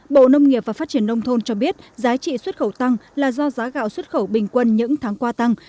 bộ nông nghiệp và phát triển nông thôn cho biết giá trị xuất khẩu tăng là do giá gạo xuất khẩu bình quân những tháng qua tăng